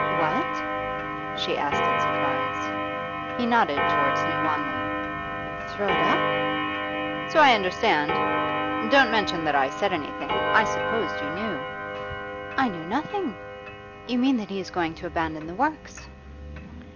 'What?' she asked in surprise. He nodded towards New Wanley. 'Throw it up?' 'So I understand. Don't mention that I said anything; I supposed you knew.' 'I knew nothing. You mean that he is going to abandon the works?